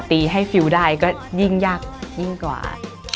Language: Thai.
ตีให้ฟิลได้ก็ยิ่งยากยิ่งกว่า